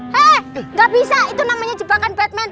hei gak bisa itu namanya jebakan batman